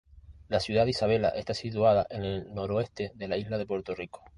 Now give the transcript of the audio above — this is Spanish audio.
La ciudad de Isabela está situada al noroeste de la isla de Puerto Rico.